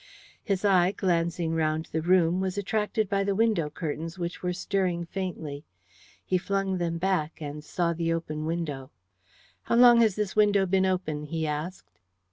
His eye, glancing round the room, was attracted by the window curtains, which were stirring faintly. He flung them back, and saw the open window. "How long has this window been open?" he asked.